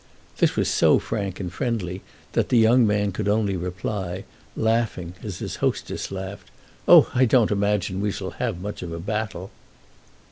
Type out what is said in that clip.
This was so frank and friendly that the young man could only reply, laughing as his hostess laughed: "Oh I don't imagine we shall have much of a battle."